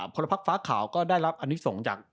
พลพักฟ้าขาวก็ได้รับอนิสงฆ์จาก